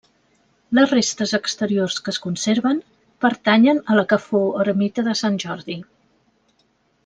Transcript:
Les restes exteriors que es conserven pertanyen a la que fou ermita de Sant Jordi.